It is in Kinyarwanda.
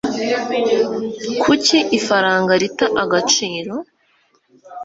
Kuki ifaranga rita agaciro?